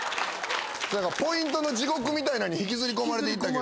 ポイントの地獄みたいなんに引きずり込まれていったけど。